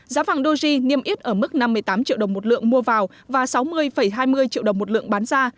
giá vàng doji niêm yết ở mức năm mươi tám triệu đồng một lượng mua vào và sáu mươi hai mươi triệu đồng một lượng bán ra